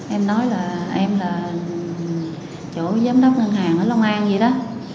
em nói là em là chỗ giám đốc ngân hàng ở long an vậy đó